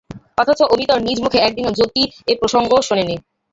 অথচ অমিতর নিজ মুখে একদিনও যতী এ প্রসঙ্গ শোনে নি।